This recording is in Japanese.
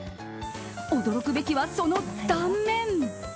驚くべきは、その断面。